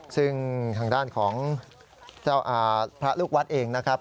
ซึ่งทางด้านของเจ้าพระลูกวัดเองนะครับ